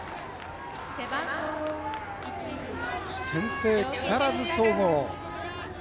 先制、木更津総合。